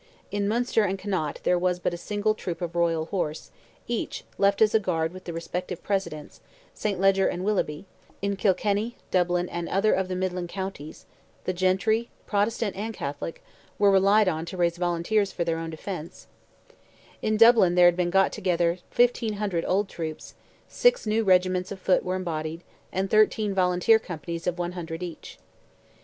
In Munster and Connaught there was but a single troop of royal horse, each, left as a guard with the respective Presidents, St. Leger and Willoughby; in Kilkenny, Dublin, and other of the midland counties, the gentry, Protestant and Catholic, were relied on to raise volunteers for their own defence; in Dublin there had been got together 1,500 old troops; six new regiments of foot were embodied; and thirteen volunteer companies of 100 each.